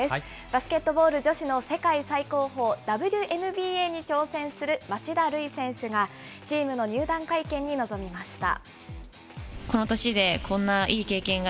バスケットボール女子の世界最高峰、ＷＮＢＡに挑戦する町田瑠唯選手が、チームの入団会見に臨みました。